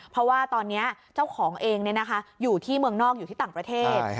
เพราะว่าตอนนี้เจ้าของเองอยู่ที่เมืองนอกอยู่ที่ต่างประเทศ